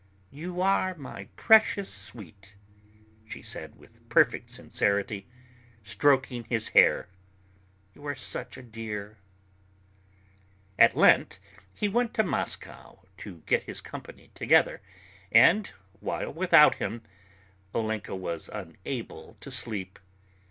"You are my precious sweet," she said with perfect sincerity, stroking his hair. "You are such a dear." At Lent he went to Moscow to get his company together, and, while without him, Olenka was unable to sleep.